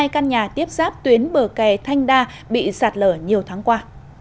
ba mươi hai căn nhà tiếp sáp tuyến bờ kè thanh đa bị sạt lở nhiều tháng qua